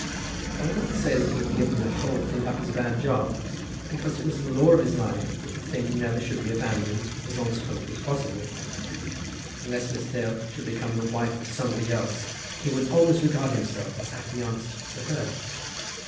I will not say that he had given the whole thing up as a bad job, because it was the law of his life that the thing never should be abandoned as long as hope was possible. Unless Miss Dale should become the wife of somebody else, he would always regard himself as affianced to her.